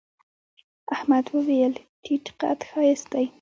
احمد وويل: تيت قد ښایست دی.